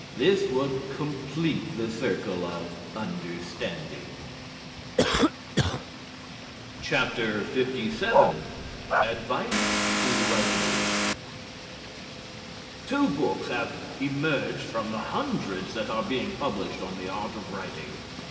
This would complete the circle of understanding. LVII ADVICE TO WRITERS Two books have emerged from the hundreds that are being published on the art of writing.